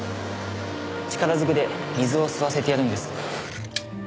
力ずくで水を吸わせてやるんです。